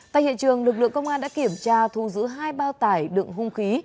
tại hiện trường lực lượng công an đã kiểm tra thu giữ hai bao tải đựng hung khí